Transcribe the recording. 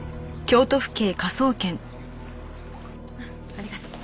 ありがとう。